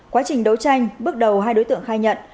quá trình đấu tranh bước đầu hai đối tượng khai nhận